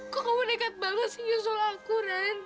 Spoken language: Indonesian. kok kamu deket banget sih nyusul aku ren